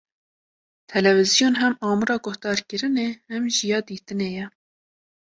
Televizyon hem amûra guhdarkirinê, hem jî ya dîtinê ye.